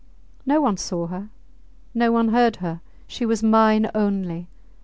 No one saw her; no one heard her; she was mine only!